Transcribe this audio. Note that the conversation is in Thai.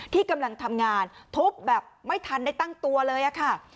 ที่กำลังทำงานทุบแบบไม่ทันได้ตั้งตัวเลยค่ะ